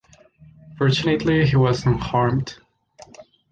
Fortunately he was unharmed.